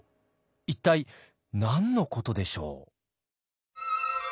一体何のことでしょう？